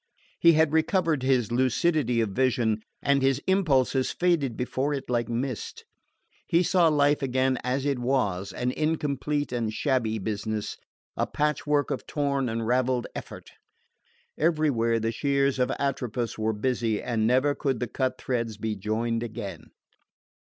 He had recovered his lucidity of vision, and his impulses faded before it like mist. He saw life again as it was, an incomplete and shabby business, a patchwork of torn and ravelled effort. Everywhere the shears of Atropos were busy, and never could the cut threads be joined again.